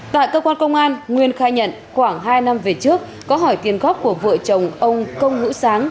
tại cơ quan công an nguyên khai nhận khoảng hai năm về trước có hỏi tiền góp của vợ chồng ông công hữu sáng